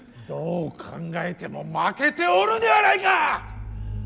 どう考えても負けておるではないか！